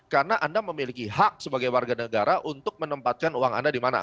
karena anda memiliki hak sebagai warga negara untuk menempatkan uang anda di mana